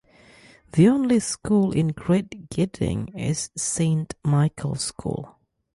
The only school in Great Gidding is Saint Michael School.